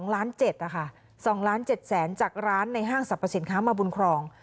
๗๐๐นะคะ๒ล้าน๗แสนจากร้านในห้างสรรพสินค้ามาบุญครอง